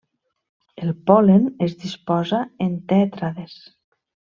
El pol·len es disposa en tètrades.